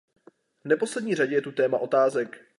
V neposlední řadě je tu téma otázek.